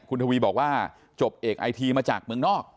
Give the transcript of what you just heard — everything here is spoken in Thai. คุณทวีบอกว่าจบเอกไอทีมาจากเมืองนอก